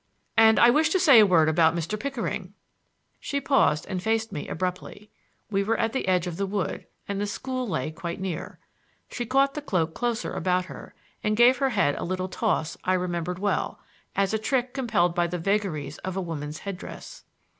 "And I wish to say a word about Mr. Pickering." She paused and faced me abruptly. We were at the edge of the wood, and the school lay quite near. She caught the cloak closer about her and gave her head a little toss I remembered well, as a trick compelled by the vagaries of woman's head dress.